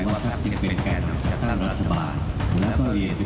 ก็ตามที่ได้แค่แนว๔จะเป็นเท่าไหร่ก็ตาม